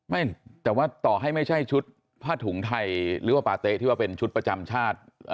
ไม่แต่ว่าต่อให้ไม่ใช่ชุดผ้าถุงไทยหรือว่าปาเต๊ะที่ว่าเป็นชุดประจำชาติ